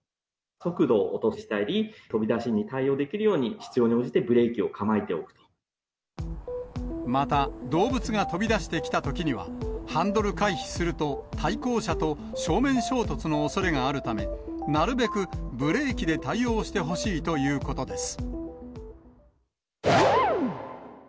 速度を落としたり、飛び出しに対応できるように、必要に応じてブまた、動物が飛び出してきたときには、ハンドル回避すると、対向車と正面衝突のおそれがあるため、なるべくブレーキで対応してほしいということです。